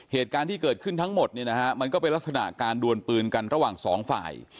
เหตุการณ์ที่เกิดขึ้นทั้งหมดเนี่ยนะฮะมันก็เป็นลักษณะการดวนปืนกันระหว่างสองฝ่าย